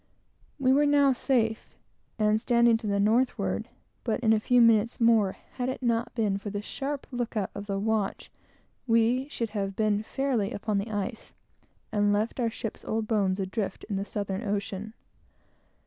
We were now safe, and standing to the northward; but, in a few minutes more, had it not been for the sharp look out of the watch, we should have been fairly upon the ice, and left our ship's old bones adrift in the Southern ocean.